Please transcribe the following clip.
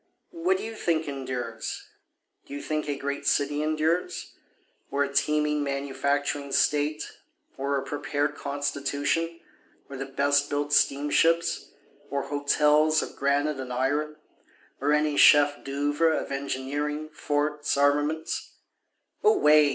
What do you think endures? Do you think a great city endures? Or a teeming manufacturing state? or a prepared constitution? or the best built steamships? Or hotels of granite and iron? or any chef d'oeuvres of engineering, forts, armaments? Away!